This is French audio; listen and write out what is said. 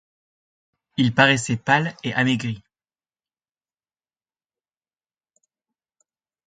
Il paraissait pâle et amaigri.